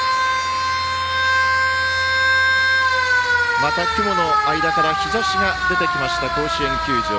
また、雲の間から日ざしが出てきました甲子園球場。